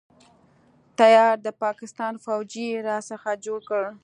تيار د پاکستان فوجي يې را څخه جوړ کړ.